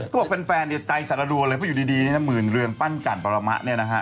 บอกแฟนใจสารรัวเลยเพราะอยู่ดีหมื่นเรืองปั้นจันปรมะเนี่ยนะฮะ